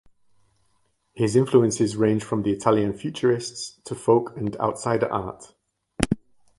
His influences range from the Italian futurists to folk and outsider art.